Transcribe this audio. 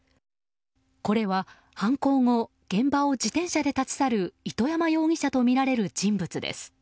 これは犯行後現場を自転車で立ち去る糸山容疑者とみられる人物です。